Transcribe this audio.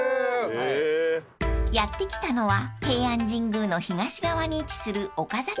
［やって来たのは平安神宮の東側に位置する］